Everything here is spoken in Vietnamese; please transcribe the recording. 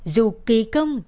dù kỳ công